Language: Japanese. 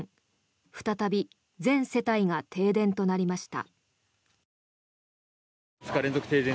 再び全世帯が停電となりました。